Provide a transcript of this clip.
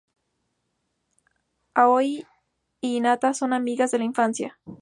Aoi y Hinata son amigas de la infancia.